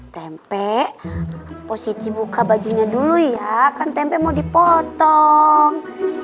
tempe posisi buka bajunya dulu ya kan tempe mau dipotong